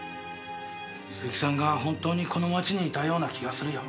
鈴木さんが本当にこの町にいたような気がするよ。